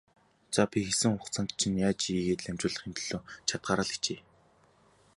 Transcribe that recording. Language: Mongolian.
За, би хэлсэн хугацаанд чинь яаж ийгээд л амжуулахын төлөө чадахаараа л хичээе.